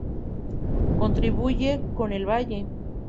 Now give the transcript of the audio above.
Contribuye con el valle.